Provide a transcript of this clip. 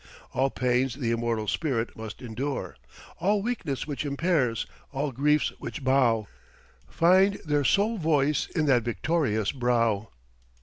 All pains the immortal spirit must endure, All weakness which impairs, all griefs which bow, Find their sole voice in that victorious brow.